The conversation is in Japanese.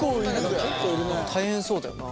大変そうだよな。